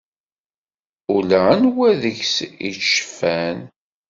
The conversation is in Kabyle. Ula anwa deg-s ittceffan.